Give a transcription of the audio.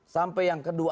sampai yang kedua